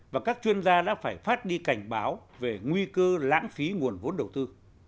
và các chuyên gia đã phải phát đi cảnh báo về nguy cơ lãng phí nguồn vốn đầu tư